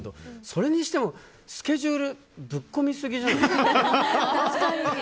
それにしてもスケジュールぶっこみすぎじゃないですか？